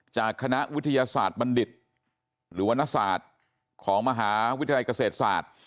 จากคณะวิทยาศาสตร์บัณฑิตหรือวรรณศาสตร์ของมหาวิทยาลัยเกษตรศาสตร์